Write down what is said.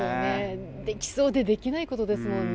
できそうでできないことですもんね